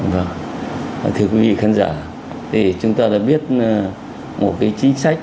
vâng thưa quý vị khán giả thì chúng ta đã biết một cái chính sách hay một cái chính sách